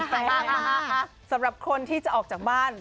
ห่ายปากมาสำหรับคนที่จะออกจากบ้าน